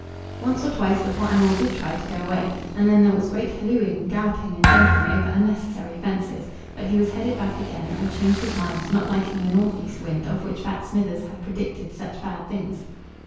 Once or twice the poor animal did try to go away, and then there was great hallooing, galloping, and jumping over unnecessary fences; but he was headed back again, or changed his mind, not liking the north east wind of which Bat Smithers had predicted such bad things.